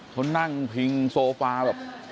เขานั่งพิงโซฟาแบบ